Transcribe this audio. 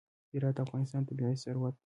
هرات د افغانستان طبعي ثروت دی.